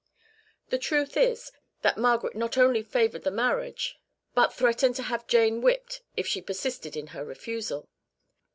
The truth is, that Margaret not only favoured the marriage, but threatened to have Jane whipped if she persisted in her refusal.